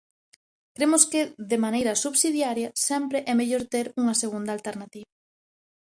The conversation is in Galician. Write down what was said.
Cremos que, de maneira subsidiaria, sempre é mellor ter unha segunda alternativa.